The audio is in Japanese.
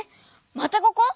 またここ？